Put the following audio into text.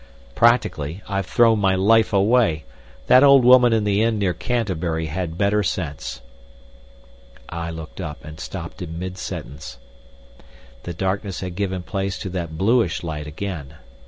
Practically—I've thrown my life away! That old woman in the inn near Canterbury had better sense." I looked up, and stopped in mid sentence. The darkness had given place to that bluish light again.